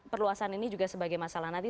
perluasan ini juga sebagai masalah nanti